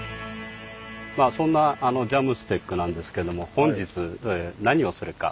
まあそんなＪＡＭＳＴＥＣなんですけども本日何をするか。